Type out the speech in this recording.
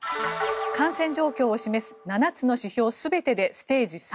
感染状況を示す７つの指標全てでステージ３。